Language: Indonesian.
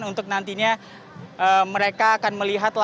untuk nantinya mereka akan melihat langkah langkahnya